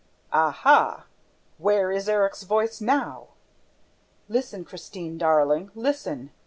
Aha! Where is Erik's voice now? Listen, Christine, darling! Listen!